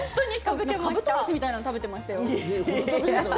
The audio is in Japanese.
カブトムシみたいなものを食べていましたよ。